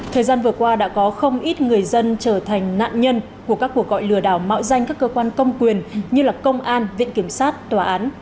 thời gian vừa qua đã có không ít người dân trở thành nạn nhân của các cuộc gọi lừa đảo mạo danh các cơ quan công quyền như công an viện kiểm sát tòa án